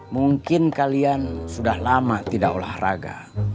mungkin kalian sudah lama tidak olahraga